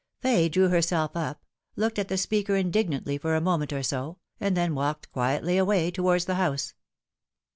Fay drew herself up, looked at the speaker indignantly for a moment or so, and then walked quietly away towards the house.